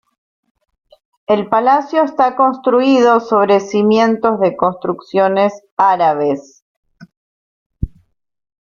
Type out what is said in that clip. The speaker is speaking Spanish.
El palacio está construido sobre cimientos de construcciones árabes.